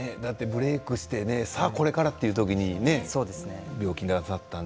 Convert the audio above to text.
ブレークしてさあ、これからという時に病気をなさったので。